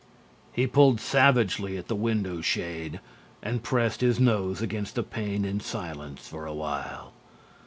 He pulled savagely at the window shade and pressed his nose against the pane in silence for a while.